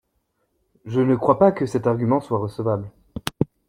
Je ne crois pas que cet argument soit recevable.